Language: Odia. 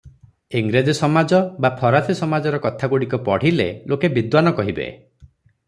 ଇଂରେଜ ସମାଜ ବା ଫରାସୀସମାଜର କଥାଗୁଡ଼ିକ ପଢ଼ିଲେ ଲୋକେ ବିଦ୍ୱାନ୍ କହିବେ ।